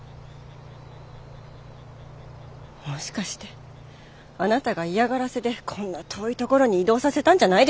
もしかしてあなたが嫌がらせでこんな遠い所に移動させたんじゃないですか？